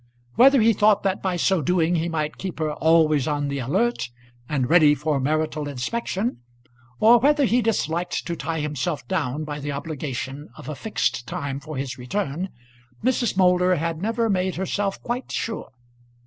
Whether he thought that by so doing he might keep her always on the alert and ready for marital inspection, or whether he disliked to tie himself down by the obligation of a fixed time for his return, Mrs. Moulder had never made herself quite sure.